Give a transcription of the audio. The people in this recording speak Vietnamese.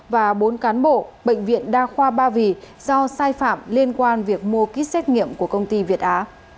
và bốn cán bộ bệnh viện đa khoa ba vì do sai phạm liên quan việc mua kit xét nghiệm của công ty việt á